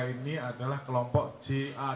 yang dua masih dalam pemeriksaan